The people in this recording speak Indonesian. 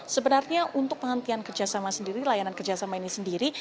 sebenarnya untuk penghentian kerjasama sendiri layanan kerjasama ini sendiri